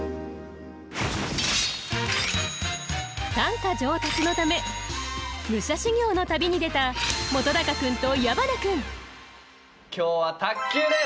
短歌上達のため武者修行の旅に出た本君と矢花君今日は卓球です。